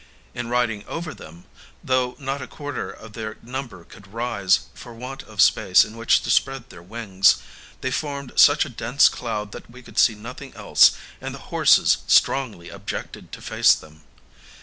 In riding over them, though not a quarter of their number could rise, for want of space in which to spread their wings, they formed such a dense cloud that we could see nothing else, and the horses strongly objected to face them.